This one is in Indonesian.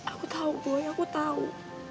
aku tahu bahwa aku tahu